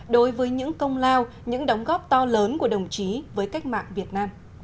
đối với những công lao những đóng góp to lớn của đồng chí với cách mạng việt nam